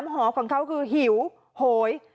หอของเขาคือหิวโหย